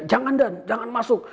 jangan dan jangan masuk